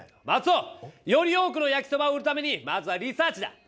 マツオ！より多くの焼きそばを売るためにまずはリサーチだ！